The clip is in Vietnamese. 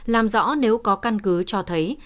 làm rõ nếu có căn cứ cho thấy